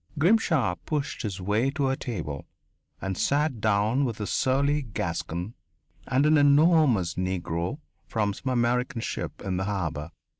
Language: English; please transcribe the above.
Grimshaw pushed his way to a table and sat down with a surly Gascon and an enormous Negro from some American ship in the harbour.